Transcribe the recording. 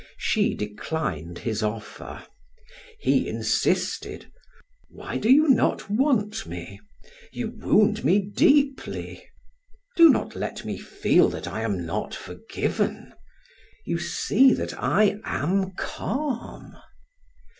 She declined his offer. He insisted: "Why do you not want me? You wound me deeply. Do not let me feel that I am not forgiven. You see that I am calm."